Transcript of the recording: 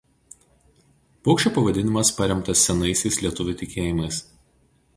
Paukščio pavadinimas paremtas senaisiais lietuvių tikėjimais.